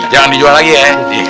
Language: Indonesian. jangan dijual lagi ya